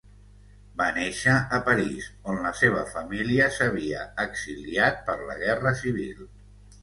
Va néixer a París, on la seva família s'havia exiliat per la guerra civil.